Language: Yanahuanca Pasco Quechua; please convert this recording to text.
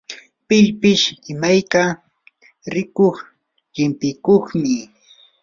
pillpish imayka rikuq llimpiyuqmi.